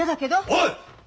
おい！